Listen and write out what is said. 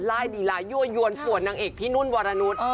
ลีลายั่วยวนปวดนางเอกพี่นุ่นวรนุษย์